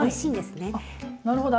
あなるほど。